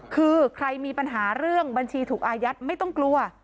คือใครมีปัญหาเรื่องบัญชีถูกอายัดไม่ต้องกลัว